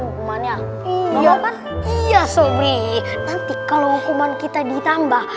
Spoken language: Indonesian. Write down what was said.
nanti kalau hukuman kita ditambah